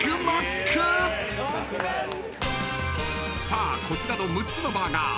［さあこちらの６つのバーガー］